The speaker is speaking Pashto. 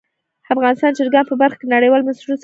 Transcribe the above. افغانستان د چرګان په برخه کې نړیوالو بنسټونو سره کار کوي.